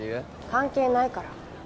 関係ないから。